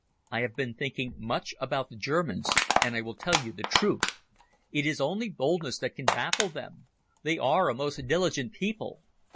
I have been thinking much about the Germans, and I will tell you the truth. It is only boldness that can baffle them. They are a most diligent people.